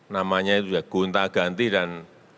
namanya itu sudah gonta ganti dan